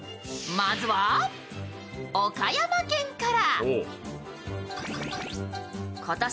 まずは、岡山県から。